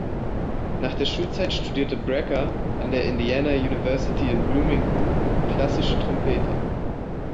Nach der Schulzeit studierte Brecker an der Indiana University in Bloomington klassische Trompete.